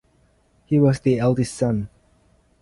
He was the eldest son.